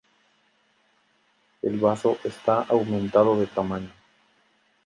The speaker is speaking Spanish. El bazo está aumentado de tamaño.